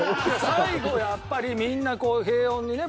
最後やっぱりみんな平穏にね